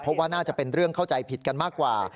เพราะว่าน่าจะเป็นเรื่องเข้าใจผิดกันมากกว่า